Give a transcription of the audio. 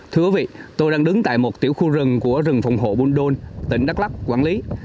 thưa quý vị tôi đang đứng tại một tiểu khu rừng của rừng phòng hộ buôn đôn tỉnh đắk lắc quản lý